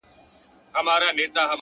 وخت د هر چا لپاره مساوي دی,